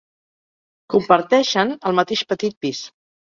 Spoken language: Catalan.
Comparteixen el mateix petit pis.